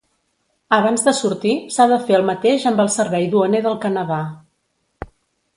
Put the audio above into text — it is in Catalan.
Abans de sortir, s'ha de fer el mateix amb el servei duaner del Canadà.